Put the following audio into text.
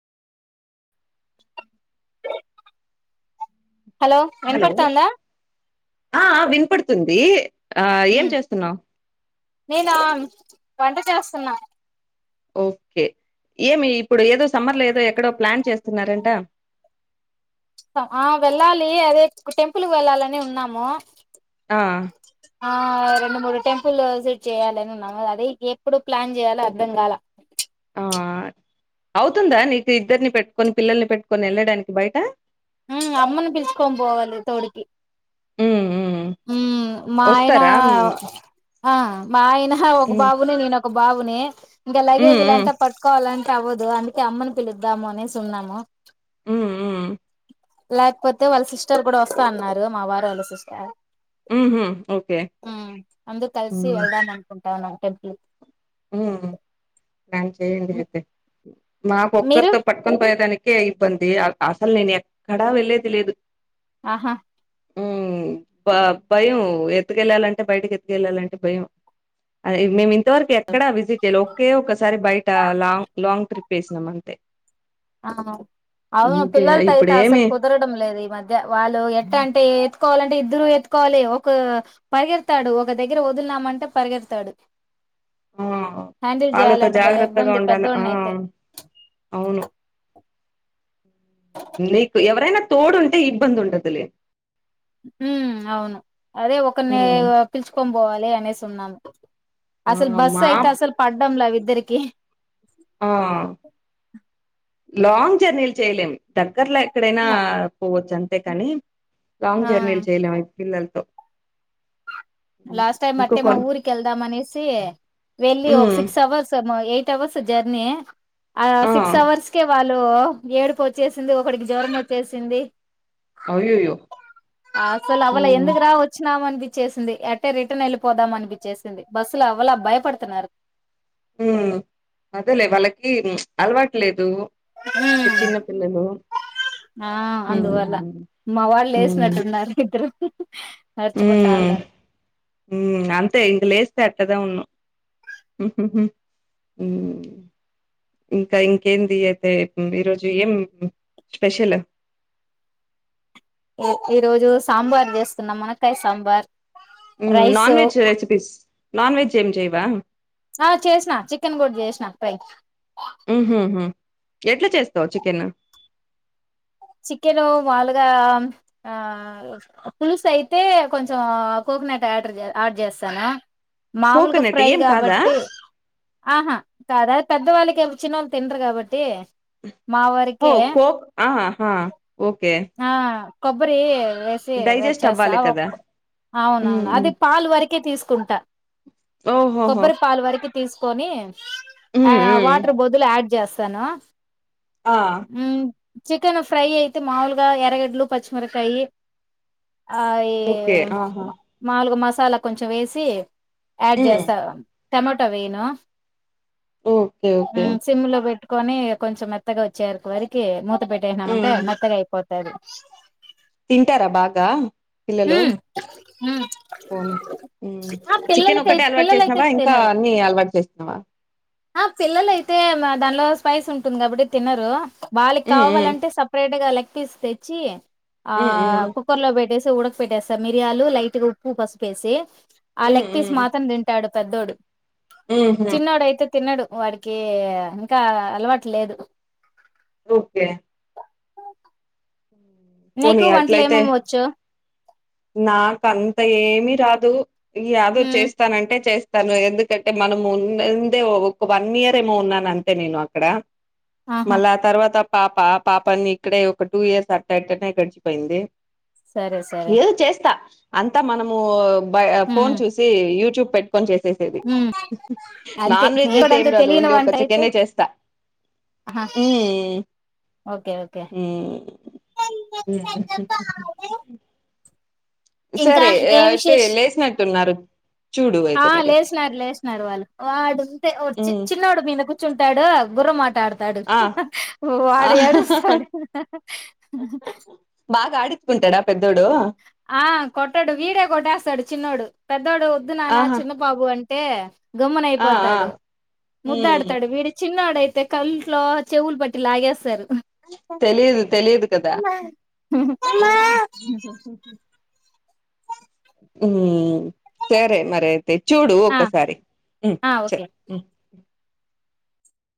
Hello! విన్పడుతందా? ది ఆ ఏం చేస్తున్నావ్? నేనా వంట చేస్తున్నా. ఓకే ఏమీ ఇప్పుడు ఏదో సమ్మర్ లో ఏదో ఎక్కడో ప్లాన్ చేస్తున్నారంట. ఆహ్ వెళ్ళాలి. అదే గు టెంపుల్కి వెళ్ళాలని ఉన్నాము. ఆహ్ ఆహ్ రెండు మూడు టెంపుల్ విజిట్ చేయ్యాలని ఉన్నాము. అదే ఎప్పుడు ప్లాన్ చేయలో అర్ధం గాల ఆహ్ అవుతుందా? నీకు ఇద్దరిని పెట్టుకొని, పిల్లల్ని పెట్టుకొని వెళ్ళడానికి బయట. ఉహ్మ్ అమ్మను పిసుకొని పోవాలి. తోడికి ఉమ్ ఉమ్ ఉహ్మ్ మా ఆయనా, వస్తారా ఉమ్ ఆహ్ మా అయనా ఒక బాబునీ, నేనొక్ ఒక్ బాబునే ఇంగా ఉమ్ ఉమ్ లగేజ్ లాంటే పట్కోవాలనీ. టే అవ్వదు అందుకే అమ్మను పిలుద్దాము అనేసి ఉన్నాము. ఉహ్ ఉహ్ లేకపోతే వాళ్ళ సిస్టర్ కూడా వస్తా అన్నారు. మా వారు వాళ్ళ సిస్టర్, ఉహు ఓకే ఉహ్ అందుర్ కలిసి వేల్దామనుకుట్ అవునా టెంపుల్ ఉహ్ హు ప్లన్ చెయ్యండి కి. అయితే. మాకు మీరు ఒక్కరితో పట్టుకోన్ పోయేదానిక్ కే ఇబ్బంది. అస్ అసలు నేను ఎక్కడా వెళ్లేది లేదు. ఆహా! ఉహ్మ్ భ భయం ఎత్తుకెళ్ళాలంటే బయటకి ఎతుకెళ్ళాలంటే భయం. అదే మేము తవరక్ ఎక్కడా విజిట్ ఎలో కే ఒకస్ సారి బయట లాంగ్ లాంగ్ ట్రిప్ వేసినాం అంతే. అవును మమ్మీ అవును, అవును ఇంకే పిల్లలతోయితే అసలు ఇప్పుడేమి కుదరడం లేదు. ఈ మధ్య వాళ్ళు ఎట్ట అంటే ఎత్తుకోవాలంటే,. ఎదురు ఎత్తుకోవాలి ఒక పరిగెడతాడు, ఒక దగ్గర వదులినామంటే పరిగెడతాడు. మ్మ్ హ్యాండిల్ ఆళ్ళతో చేయాలంటే భలే జాగ్రత్తగా ఇబ్బంది ఉండాల ఆ పెద్దోడిని అయితే అవును అవును నీకు ఎవరైనా తోడుంటే ఇబ్బంది ఉండదు లే హ్మ్ అవును అదే ఒకరిని ఉమ్, గా పిలుచుకొని పోవాలే అనేసి ఉన్నాను ఆ అసలు బస్సు మా అయితే అస్సలు పడ్డం [unintelligible] ఇద్దరికి ఆ లాంగ్ జర్నీలు చేయలేము త గ్గర్లో ఎక్కడైనా పోవచ్చు అన్ తే కానీ లాంగ్ ఆ జెర్నీలు చేయలేము ఇప్ పిల్లలతో ఉమ్, లాస్ట్ టైమ్ ఇంకో అట్టే మా కొన్ ఊరికి వెళ్దాం అనేసి వెళ్ళి ఒక ఉమ్ సిక్స్ అవర్స్ ఏమో యే యిట్ అవర్స్ జర్నీ ఆ సిక్స్ అవర్స్ కే వాళ్ళు ళ్ళు ఏడుపు వచ్చేసింది ఒకడికి జ్వరం వచ్చేసింది అయ్యయ్యో ఆస్సల్ అవ్వలే ఉమ్ ఎందుకు రా వచ్చినాము అన్పి చేసింది అట్టే రిటర్న్ వెళ్ళిపోదాం అనిపిచ్చేసింది బస్సులో అవ్వలా భయపడుతున్నారు ఉమ్ అదేలే వాళ్ళకి ప్చ్ అలవాటులేదు ఆ ఉమ్ అందువల్ల మా వాడు ఉమ్ లేసినట్టున్నాడు, నిద్దరవో ఉమ్ మ్మ్ అంతే ఇంక లేస్తే కదావును మ్మ్ ఇంకా ఇంకేంది అయితే ఇప్ ఈరోజు ఏం స్పెషల్, ఎ ఈ రోజు సాంబార్ చేస్తున్నా మునక్కాయ్ సాంబార్ మ్మ్ non rice veg recipes non veg ఏం చేయం వ్యామ్ ఆ చేసినా చికెన్ కూడ్ చేసిన ప్రై ఉమ్ హు హ్మ్ ఎట్లా చేస్తావ్ చికెను చికెను మాలుగా ఆ పులుసు అయితే కొంచెం కోకోనట్ ఆటర్ యాడ్ చేస్సాన. మామూలుగా కోకోనట్ ఫ్రై ఏం కాదా కాబట్టి ఆహా కాదా పెద్ద వాళ్ళకేం చిన్నోళ్ తిండ్రు కాబట్టి మా హో వరకే కోక్ ఆ హా ఓకే ఆ కొబ్బరి వేసి డైజెస్ట్ అవ్వాలి వెచ్చేసావ్ కదా అవును అవును అది పాలు వరికే తీసు కుంట ఓహోహో కొబ్బర ఫల్ వరకి తీసుకొని ఆ ఉమ్ ఉమ్ వాటర్ బాతుల్ ఆడ్ చేస్తాను ఆ హ చికెన్ ఫ్రై అయితే మాములుగా ఎరగడ్లు పచ్చిమిరకాయి ఆ ఏ ఓకే ఆహా మాలుగు మాస మసాలా కొంచెం వేసి ఉమ్ అడ్జసా టమోటో వెయ్యను ఓకే ఓకే సిములా బెట్ కొని కొంచెం త్తగా వచ్చారు వారికి మ మ పెట్టేసామంట ఉమ్ మత్తగా అయిపోతంది సరే తింటారా బాగా పిల్లలు ఉమ్ పోని ఆ చికెన్ పిల్లలకై ఒకటిే అలవాటు పిల్లలైతే చేసినవా ఇంకా తినరు అన్ని అలవాటు చేసినవా ఆ పిల్లల అయితే దానిలో స్పైస్ ఉంటుంది కాబట్టి తినరు వాళ్ళకి ఉమ్ కావాలంటే సపరేట్ గా లె పిస్త తెచ్చ ఆ ఉమ్ ఉమ్ కుక్కర్ లో పెట్టేసి ఉడక పెట్టేస్త సార్ మియాలు లైట్గా ఉప్పు పసుపేసి ఆ ఉమ్ ఉమ్ లెగ్ పసి ఉమ్ మాత్రం తింటాడు పెద్దోడు ఉహూ చిన్నడు అయిత తిన్నాడు వాడికి ఇంకా అలవాటు లేదు ఓకే నీకు వంటలు ఏమమ్వ్వచ్చు నాకంత ఏ ఏమి రాదు దో ఉమ్ చేస్తానంటే చేస్త తను ఎందుకంటే మనం ఉందే ఒక వన్ ఇయర్ ఏమో ఉన్నాన అంతే నేను అక్కడ ఆహా మళ తర్వాత పాప పాపాన్ని ఇక్కడే ఒక టూ ఇయర్స్ అట్ట అట్టనే గడిచిపోయింది సరే స ఏదో చేస్తా అంతా మనము బయ ఫోన్ ఉమ్ చూసి యూట్యూబ్ పోన్ చేసేసేది ఉమ్ అంతే నాన్ వెజ్ నేను అయితే కూడా ఏం అంతే రాదు తెలియని ఓన్లీ ఒక వంట అయితే చికెనే చేస్తా ఆహా ఉమ్ ఓకే ఓకే ఉమ్ ఇంకా సరే ఏం అయితే విశేష్ లేచినట్టున్నారు ఆ లేసినారు లేసినారు వాళ్ళు వాడుంటే చి మ్మ్ చిన్నోడు మీద కూర్చుంటాడు గుర్రం ఆట ఆడు తాడు ఆ ఆ వాడు ఏడుస్తాడు బాగా ఆడుుకుంటాడా పెద్ద ఆ కొట్టాడు వీడే కొట్టేస్తాడు చిన్నోడు పెద్దోడు వద్దు నాన్న ఆహా చిన్న బాబు అంటే ఏ గమ్మన ఆ ఆ అయిపోతాడు మ్మ్ ముద్దాడుతాడు వీడి చిన్నడుయితే అయితే కంట్లో చెవులు బట్టి లాగేస్తారు తెలిదు తెలిదు కదా ఉమ్ సరే మరి అయితే చూడు ఆ ఒకసారి ఉమ్ ఆ సరే ఓకే ఉమ్